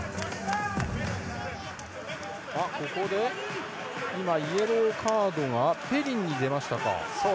ここでイエローカードがペリンに出ましたか。